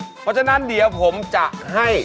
เพราะฉะนั้นเดี๋ยวผมจะให้